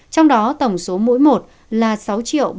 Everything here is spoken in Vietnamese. trong đó tổng số mũi một là sáu ba trăm ba mươi năm tám trăm ba mươi tám